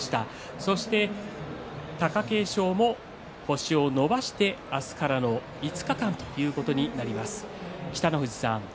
そして貴景勝も星を伸ばしての明日からの５日間ということになります。